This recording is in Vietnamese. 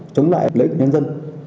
chống lại lợi ích của nhân dân